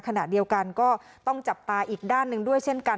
ขณะเดียวกันก็ต้องจับตาอีกด้านหนึ่งด้วยเช่นกัน